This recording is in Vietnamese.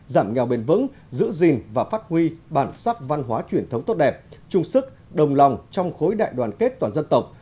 giảm nghèo bền vững giữ gìn và phát huy bản sắc văn hóa truyền thống tốt đẹp trung sức đồng lòng trong khối đại đoàn kết toàn dân tộc